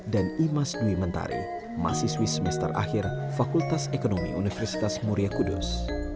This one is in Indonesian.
dan imas nwi mentari mahasiswi semester akhir fakultas ekonomi universitas muria kudus